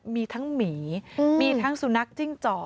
มีทั้งหมีมีทั้งสุนัขจิ้งจอก